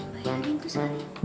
bayarin tuh sekali ya